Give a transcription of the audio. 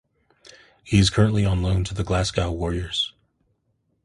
He is currently on loan to Glasgow Warriors.